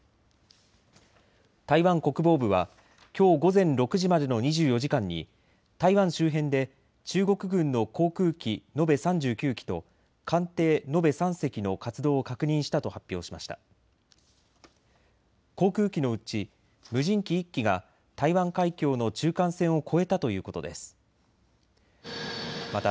台湾国防部はきょう午前６時までの２４時間に台湾周辺で中国軍の航空機延べ３９機と艦艇延べ３隻の活動を確認したと発表しました。